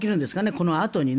このあとにね。